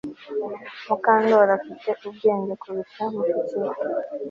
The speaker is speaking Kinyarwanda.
Mukandoli afite ubwenge kurusha mushiki we